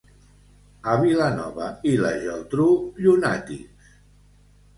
A Vilanova i la Geltrú, llunàtics.